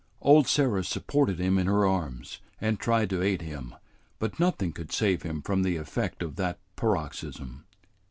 Old Sarah supported him in her arms, and tried to aid him, but nothing could save him from the effect of that paroxysm.